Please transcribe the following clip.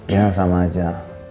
ya sama aja